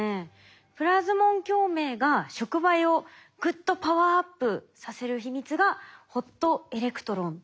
プラズモン共鳴が触媒をぐっとパワーアップさせる秘密がホットエレクトロンということですか？